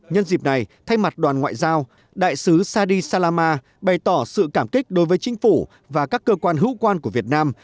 nhân dịp này thay mặt đoàn ngoại giao đại sứ sadi salama bày tỏ sự cảm kích đối với chính phủ và các cơ quan hữu quan của việt nam